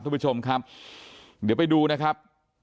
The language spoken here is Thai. คุณผู้ชมครับเดี๋ยวไปดูนะครับ